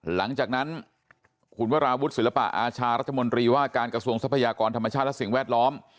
หลังจากนั้นคุณวราวุฒิศิลปะอาชารัฐมนตรีว่าการกระทรวงทรัพยากรธรรมชาติและสิ่งแวดล้อม